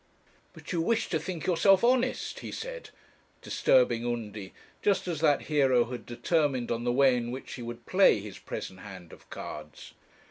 'But you wish to think yourself honest,' he said, disturbing Undy just as that hero had determined on the way in which he would play his present hand of cards.